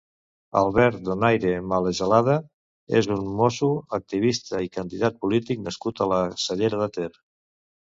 Albert Donaire Malagelada és un mosso, activista i candidat polític nascut a la Cellera de Ter.